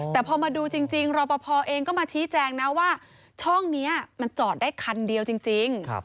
แต่พอมาดูจริงรอปภเองก็มาชี้แจงนะว่าช่องนี้มันจอดได้คันเดียวจริง